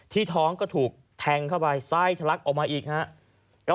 ที่ท้องก็ถูกแทงเข้าไปทรักออกมาอีกนะครับ